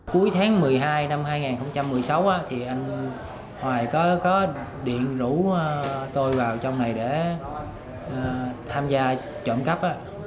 cuối tháng một mươi hai năm hai nghìn một mươi sáu thì anh hoài có điện đủ tôi vào trong này để tham gia trộm cắp